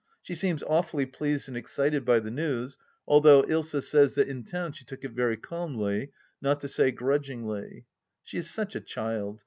She seems awfully pleased and excited by the news, although Usa says that in town she took it very calmly, not to say grudgingly. She is such a child.